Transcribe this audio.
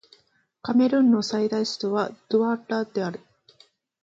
カメルーンの最大都市はドゥアラである